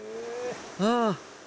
うん。